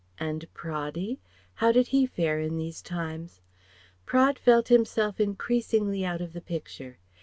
And Praddy? How did he fare in these times? Praed felt himself increasingly out of the picture.